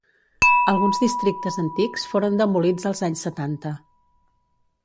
Alguns districtes antics foren demolits als anys setanta.